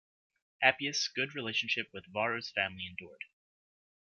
Appius' good relations with Varro's family endured.